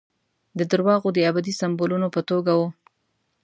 د درواغو د ابدي سمبولونو په توګه وو.